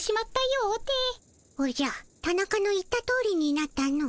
おじゃタナカの言ったとおりになったの。